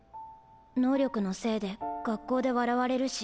能力のせいで学校で笑われるし。